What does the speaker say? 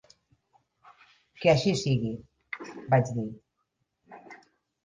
"Que així sigui", vaig dir.